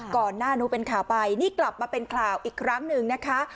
ก่อนหน้านู้นเป็นข่าวไปนี่กลับมาเป็นข่าวอีกครั้งหนึ่งนะคะ